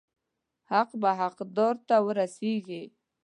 حق به حقدار ته ورسیږي.